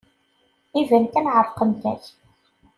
Iban kan ɛerqent-ak.